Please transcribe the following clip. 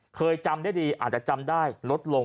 เคยจำได้ดีอาจจะจำได้ลดลง